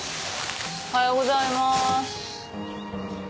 おはようございまーす。